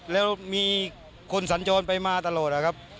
แล้วมีคนสัญจรไปมาตลอดนะครับ